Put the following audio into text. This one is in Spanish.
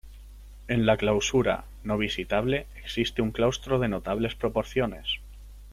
En la clausura, no visitable, existe un claustro de notables proporciones.